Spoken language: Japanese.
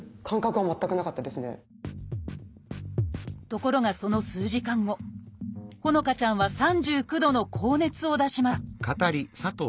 ところがその数時間後帆乃花ちゃんは３９度の高熱を出しました